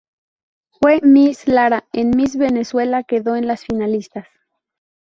Fue Miss Lara en Miss Venezuela, quedó en las finalistas.